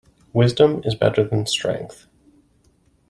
Wisdom is better than strength.